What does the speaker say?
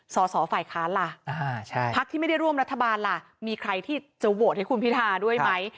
สอสอฝ่ายค้านล่ะพักที่ไม่ได้ร่วมรัฐบาลล่ะมีใครที่จะโหวตให้คุณพิทาด้วยไหม